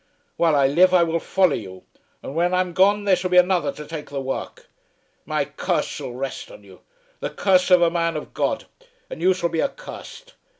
While I live I will follow you, and when I am gone there shall be another to take the work. My curse shall rest on you, the curse of a man of God, and you shall be accursed.